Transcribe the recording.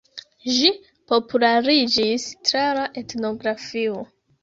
Ĝi populariĝis tra la etnografio.